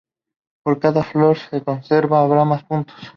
Por cada flor que se conserve habrá más puntos.